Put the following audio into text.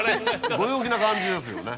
ご陽気な感じですよね